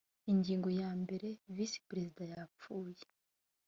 ingingo yambere visi perezida yapfuye